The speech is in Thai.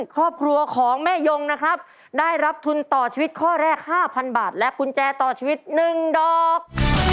ครอบครัวของแม่ยงนะครับได้รับทุนต่อชีวิตข้อแรก๕๐๐บาทและกุญแจต่อชีวิต๑ดอก